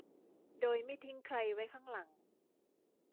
โดยไม่ทิ้งใครไว้ข้างหลัง